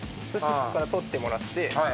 そしてここからとってもらって。